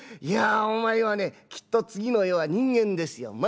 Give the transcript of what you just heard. いやお前はねきっと次の世は人間ですよ」。